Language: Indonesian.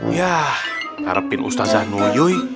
yah harapin ustaz januyuy